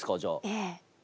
ええ。